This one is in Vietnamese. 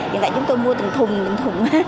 hiện tại chúng tôi mua từng thùng từng thùng